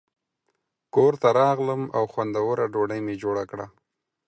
کور ته راغلم او خوندوره ډوډۍ مې جوړه کړه.